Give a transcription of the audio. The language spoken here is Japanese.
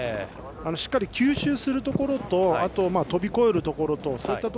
しっかり吸収するところとあとは飛び越えるところ